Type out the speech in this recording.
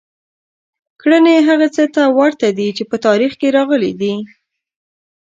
کړنې هغه څه ته ورته دي چې په تاریخ کې راغلي دي.